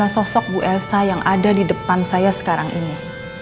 sosok bu elsa yang ada di depan saya sekarang ini